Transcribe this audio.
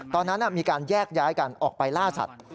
ตอนนั้นมีการแยกย้ายกันออกไปล่าสัตว์